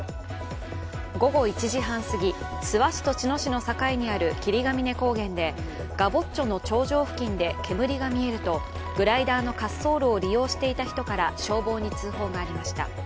午後１時半すぎ、諏訪市と茅野市の境にある霧ヶ峰高原でガボッチョの頂上付近で煙が見えるとグライダーの滑走路を利用していた人から消防に通報がありました。